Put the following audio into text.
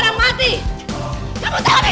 lakukan semuanya sudah selesai